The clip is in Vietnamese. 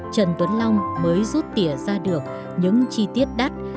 trần tuấn long mới rút tỉa ra được những chi tiết đắt